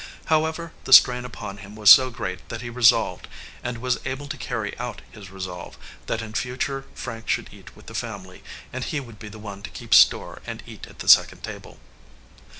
However, the strain upon him was so great that he resolved, and was able to carry out his resolve, that in future Frank should eat with the family, and he would be the one to keep store and eat at the second table.